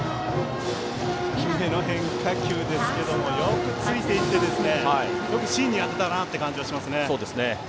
低めの変化球ですけどもよくついていってよく芯に当てたなという感じです。